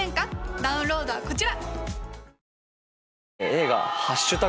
ダウンロードはこちら！